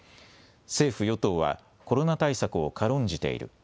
政府与党はコロナ対策を軽んじている。